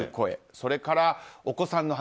それからお子さんの話。